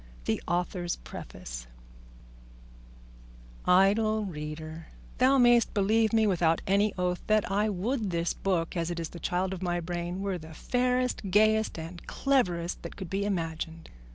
THE AUTHOR'S PREFACE Idle reader: thou mayest believe me without any oath that I would this book, as it is the child of my brain, were the fairest, gayest, and cleverest that could be imagined.